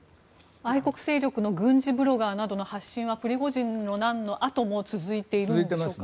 愛国勢力の軍事ブロガーなどの発信はプリゴジンの乱のあとも続いているんでしょうか。